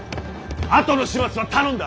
後の始末は頼んだ。